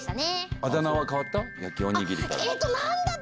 あだ名は変わった？